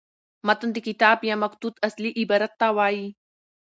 متن د کتاب یا مکتوت اصلي عبارت ته وايي.